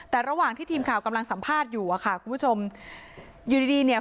แต่ระหว่างที่ทีมข่าวกำลังสัมภาษณ์อยู่อะค่ะคุณผู้ชมอยู่ดีดีเนี่ย